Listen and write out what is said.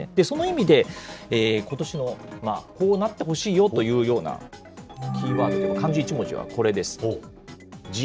その意味で、ことしの、こうなってほしいよというようなキーワード、漢字一文字はこちらです。